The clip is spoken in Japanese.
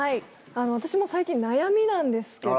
私も最近悩みなんですけど。